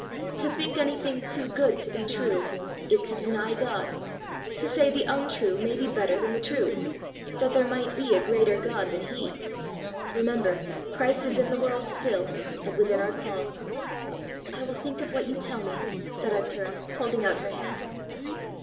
To think anything too good to be true, is to deny God to say the untrue may be better than the true that there might be a greater God than he. Remember, Christ is in the world still, and within our call." "I will think of what you tell me," said Arctura, holding out her hand.